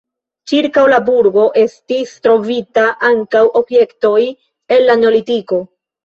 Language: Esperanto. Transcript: Ĉirkaŭ la burgo estis trovitaj ankaŭ objektoj el la neolitiko.